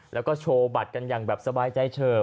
แล้วก็โชว์บัตรกันอย่างแบบสบายใจเฉิบ